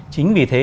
chính vì thế